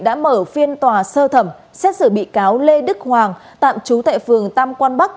đã mở phiên tòa sơ thẩm xét xử bị cáo lê đức hoàng tạm trú tại phường tam quan bắc